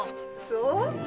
そう？